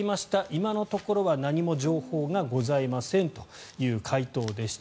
今のところは何も情報がありませんという回答でした。